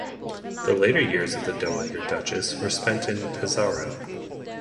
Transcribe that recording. The later years of the Dowager Duchess were spent in Pesaro.